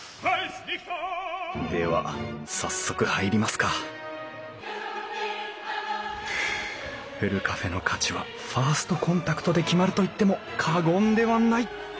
では早速入りますかふるカフェの価値はファーストコンタクトで決まると言っても過言ではない！